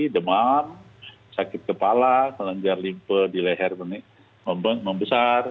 demam sakit kepala kelenjar limpe di leher membesar